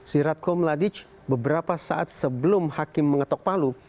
si ratko mladic beberapa saat sebelum hakim mengetok palu